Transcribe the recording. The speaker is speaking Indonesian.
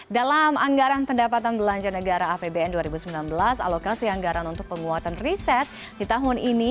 dalam anggaran pendapatan belanja negara apbn dua ribu sembilan belas alokasi anggaran untuk penguatan riset di tahun ini